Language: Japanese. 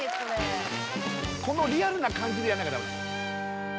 このリアルな感じでやんなきゃダメなの？